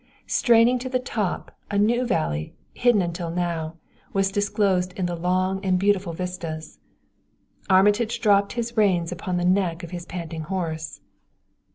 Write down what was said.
Straining to the top, a new valley, hidden until now, was disclosed in long and beautiful vistas. Armitage dropped the reins upon the neck of his panting horse.